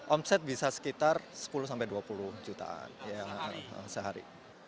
omset bisa sekitar sepuluh sampai dua puluh jutaan sehari